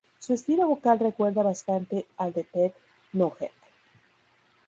Su estilo vocal recuerda bastante al de Ted Nugent.